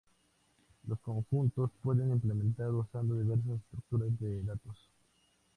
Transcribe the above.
Los conjuntos pueden implementarse usando diversas estructuras de datos.